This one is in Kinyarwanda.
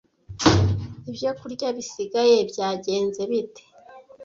Ibyokurya bisigaye byagenze bite?